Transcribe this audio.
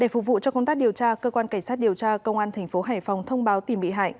để phục vụ cho công tác điều tra cơ quan kỳ sát điều tra công an tp hải phòng thông báo tìm bị hại